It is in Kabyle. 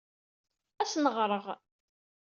Ad asen-ɣreɣ.